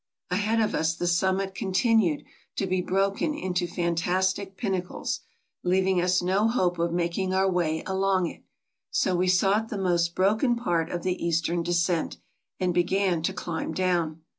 Ahead of us the summit continued to be broken into fantastic pinnacles, leaving us no hope of making our way along it; so we sought the most broken part of the eastern descent, and began to climb down.